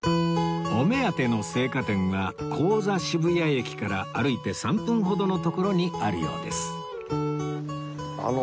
お目当ての青果店は高座渋谷駅から歩いて３分ほどの所にあるようです